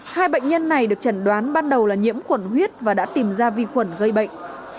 hai bệnh nhân này được chẩn đoán ban đầu là nhiễm khuẩn huyết và đã tìm ra vi khuẩn gây bệnh